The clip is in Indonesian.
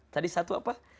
tadi satu apa